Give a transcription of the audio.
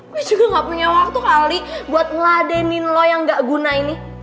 gue juga gak punya waktu kali buat ngeladenin lo yang gak guna ini